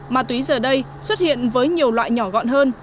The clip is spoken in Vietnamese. ma túy giờ đây xuất hiện với nhiều loại nhỏ gọn hơn